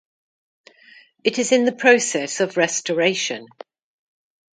It is in the process of restoration.